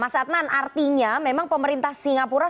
mas adnan artinya memang pemerintah singapura